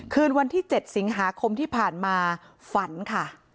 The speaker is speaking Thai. คืนวันที่๗สิงหาคมที่ผ่านมาฝันค่ะ